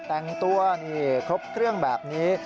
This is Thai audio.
แต่งตัวนี่ครบเครื่องแบบนี้